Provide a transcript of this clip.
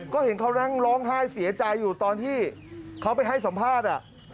ก็เห็นเขานั่งร้องไห้เสียใจอยู่ตอนที่เขาไปให้สัมภาษณ์